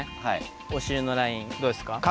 お尻のラインどうですか？